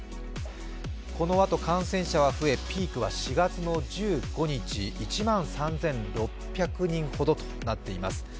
このあと感染者は増え、ピークは４月１５日１万３６００人ほどとなっています。